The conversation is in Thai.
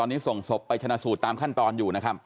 ตอนนี้ส่งศพไปชนะสูตรตามขั้นตอนอยู่นะครับ